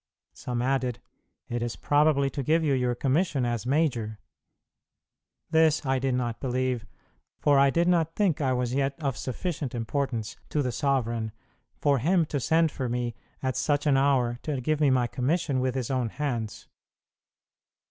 Some added, "It is probably to give you your commission as major." This I did not believe, for I did not think I was yet of sufficient importance to the sovereign for him to send for me at such an hour to give me my commission with his own hands.